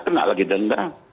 kena lagi denda